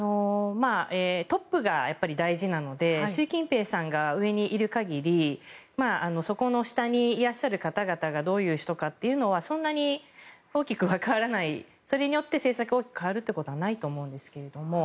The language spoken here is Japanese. トップがやっぱり大事なので習近平さんが上にいる限りそこの下にいらっしゃる方々がどういう人かっていうのはそんなに大きくは変わらないそれによって政策が大きく変わるということはないと思うんですが。